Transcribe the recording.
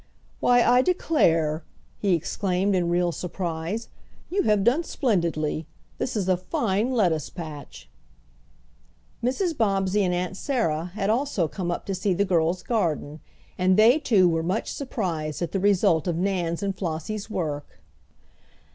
"Why, I declare!" he exclaimed in real surprise. "You have done splendidly. This is a fine lettuce patch." Mrs. Bobbsey and Aunt Sarah had also come up to see the girls' garden, and they too were much surprised at the result of Nan's and Flossie's work.